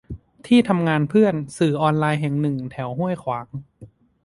ที่ทำงานเพื่อน สื่อออนไลน์แห่งหนึ่ง แถวห้วยขวาง